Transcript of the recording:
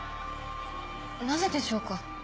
なぜでしょうか？